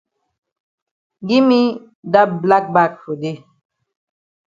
Gi me dat black bag for dey.